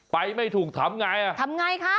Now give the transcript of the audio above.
ไปไม่ถูกถามไงถามไงคะ